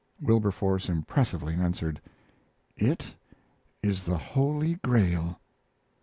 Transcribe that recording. Wilberforce impressively answered: "It is the Holy Grail."